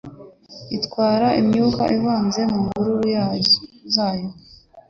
itwara imyuka ivanze mu mvururu zayo